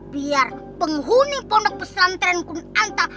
biar penghuni pondok pesantrenku antar